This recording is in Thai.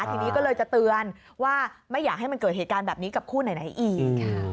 ทีนี้ก็เลยจะเตือนว่าไม่อยากให้มันเกิดเหตุการณ์แบบนี้กับคู่ไหนอีก